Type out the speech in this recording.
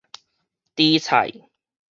豬菜